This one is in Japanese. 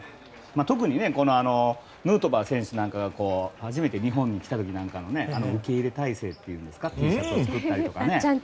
特にヌートバー選手が初めて日本に来た時もあの受け入れ態勢というかＴシャツを作ったりとかね。